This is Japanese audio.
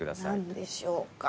何でしょうか？